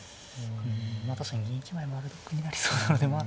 まあ確かに銀１枚まる得になりそうなのでまあ。